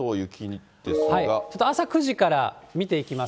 ちょっと朝９時から見ていきます。